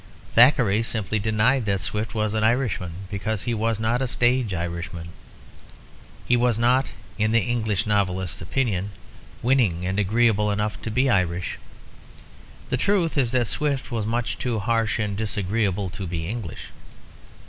Thackeray simply denied that Swift was an Irishman, because he was not a stage Irishman. He was not (in the English novelist's opinion) winning and agreeable enough to be Irish. The truth is that Swift was much too harsh and disagreeable to be English.